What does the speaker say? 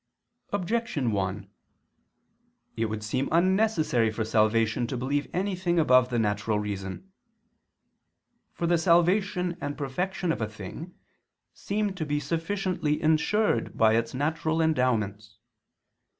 Objection 1: It would seem unnecessary for salvation to believe anything above the natural reason. For the salvation and perfection of a thing seem to be sufficiently insured by its natural endowments.